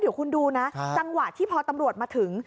เดี๋ยวคุณดูนะจังหวะที่พอตำรวจมาถึง